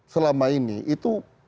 selama ini itu